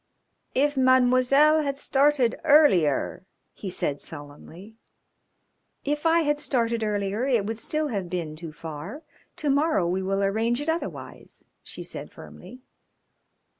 "If Mademoiselle had started earlier " he said sullenly. "If I had started earlier it would still have been too far. To morrow we will arrange it otherwise," she said firmly.